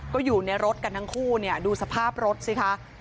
ก็อยู่ในรถกันทั้งคู่เนี่ยดูสภาพรถสิคะ